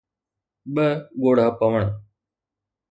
ٻه ڳوڙها پوڻ